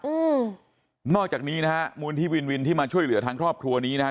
อืมนอกจากนี้นะฮะมูลที่วินวินที่มาช่วยเหลือทางครอบครัวนี้นะฮะ